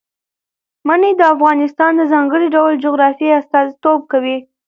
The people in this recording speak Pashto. منی د افغانستان د ځانګړي ډول جغرافیه استازیتوب کوي.